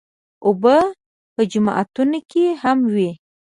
اوبه په جوماتونو کې هم وي.